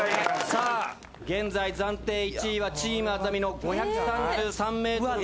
さあ現在暫定１位はチームあざみ野５３３．５８ｍ。